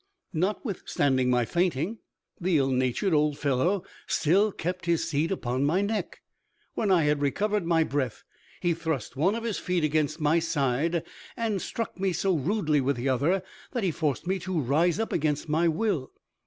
Notwithstanding my fainting, the ill natured old fellow still kept his seat upon my neck. When I had recovered my breath, he thrust one of his feet against my side, and struck me so rudely with the other that he forced me to rise up against my will.